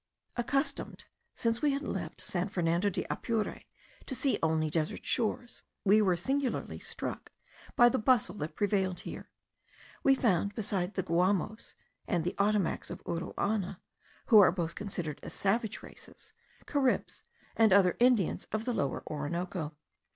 Accustomed, since we had left San Fernando de Apure, to see only desert shores, we were singularly struck by the bustle that prevailed here. We found, besides the Guamos and the Ottomacs of Uruana, who are both considered as savage races, Caribs and other Indians of the Lower Orinoco.